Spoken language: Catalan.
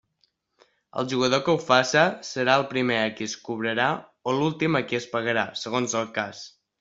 Al jugador que ho faça serà el primer a qui es cobrarà o l'últim a qui es pagarà, segons el cas.